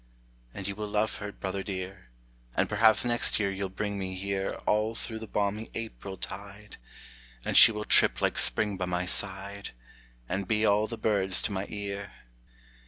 And you will love her, brother dear, And perhaps next year you'll bring me here All through the balmy April tide, And she will trip like spring by my side, And be all the birds to my ear.